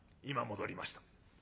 「今戻りました。